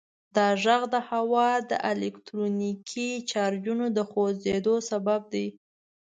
دا غږ د هوا د الکتریکي چارجونو د خوځیدو سبب دی.